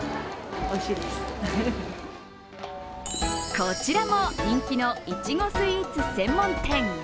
こちらも人気のいちごスイーツ専門店。